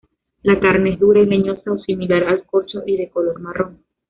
La carne es dura y leñosa o similar al corcho y de color marrón.